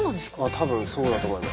たぶんそうだと思います。